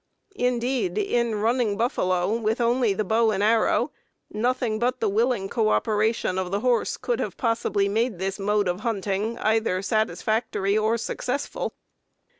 Indeed, in "running buffalo" with only the bow and arrow, nothing but the willing co operation of the horse could have possibly made this mode of hunting either satisfactory or successful.